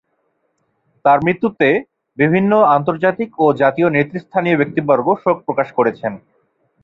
তার মৃত্যুতে বিভিন্ন আন্তর্জাতিক ও জাতীয় নেতৃস্থানীয় ব্যক্তিবর্গ শোক প্রকাশ করেছেন।